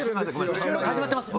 収録始まってますよ。